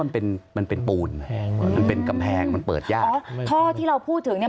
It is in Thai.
มันเป็นมันเป็นปูนมันเป็นกำแพงมันเปิดยากอ๋อท่อที่เราพูดถึงเนี้ย